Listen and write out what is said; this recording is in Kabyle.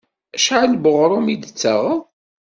Acḥal n weɣrum i d-tettaɣeḍ?